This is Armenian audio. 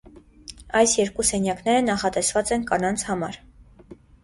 Այս երկու սենյակները նախատեսված են կանանց համար։